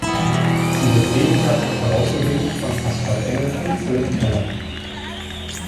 Sie wird gegenwärtig herausgegeben von Pascal Engel und Philipp Keller.